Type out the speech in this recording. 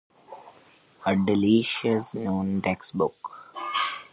A detailed discussion on interferometric autocorrelation is given in several well-known textbooks.